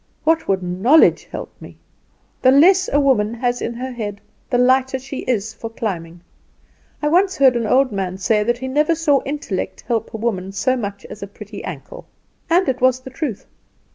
What would knowledge help me? The less a woman has in her head the lighter she is for climbing. I once heard an old man say, that he never saw intellect help a woman so much as a pretty ankle; and it was the truth.